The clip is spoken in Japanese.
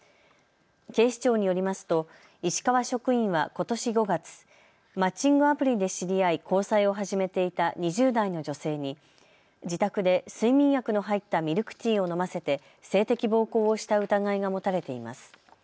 警視庁によりますと石川職員はことし５月、マッチングアプリで知り合い交際を始めていた２０代の女性に自宅で睡眠薬の入ったミルクティーを飲ませて性的暴行をした疑いが持たれています。